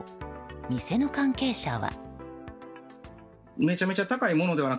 店の関係者は。